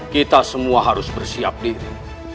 kita semua harus bersiap diri